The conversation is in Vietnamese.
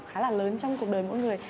khá là lớn trong cuộc đời mỗi người